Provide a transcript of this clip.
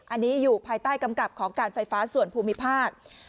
อันนี้อยู่ภายใต้กำกับของการไฟฟ้าส่วนภูมิภาค